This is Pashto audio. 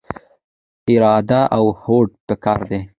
اراده او هوډ پکار دی.